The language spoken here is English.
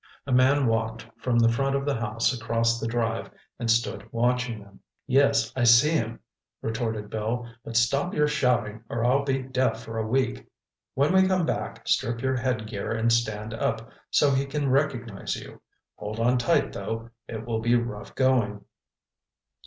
A man walked from the front of the house across the drive and stood watching them. "Yes, I see him," retorted Bill, "but stop your shouting or I'll be deaf for a week. When we come back, strip your headgear and stand up, so he can recognize you. Hold on tight, though—it will be rough going."